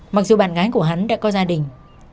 mặc dù bạn gái của hắn đã có gia đình